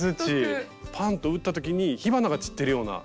パンと打った時に火花が散ってるような。